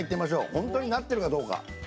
本当になってるかどうか。